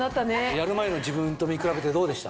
やる前の自分と見比べてどうでした？